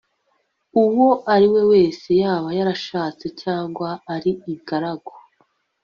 uwo ari we wese yaba yarashatse cyangwa ari ingaragu